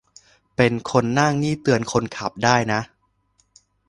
เป็นคนนั่งนี่เตือนคนขับได้นะ